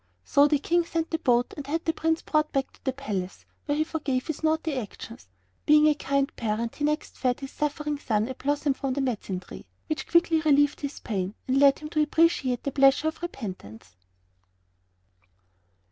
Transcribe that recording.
So the King sent the boat and had the Prince brought back to the palace, where he forgave his naughty actions. Being a kind parent he next fed his suffering son a blossom from a medicine tree, which quickly relieved his pain and led him to appreciate the pleasure of repentance.